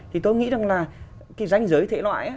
thì tôi nghĩ rằng là cái danh giới thể loại